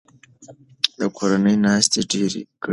د کورنۍ ناستې ډیرې کړئ.